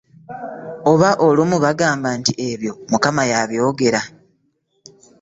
Oba olumu bagamba nti ebyo mukama y'abyogera .